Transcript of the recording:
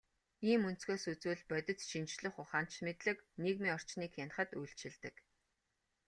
Ийм өнцгөөс үзвэл, бодит шинжлэх ухаанч мэдлэг нийгмийн орчныг хянахад үйлчилдэг.